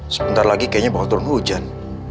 sebentar lagi kayaknya bawa turun hujan